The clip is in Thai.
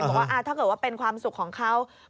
บอกว่าถ้าเกิดว่าเป็นความสุขของเขา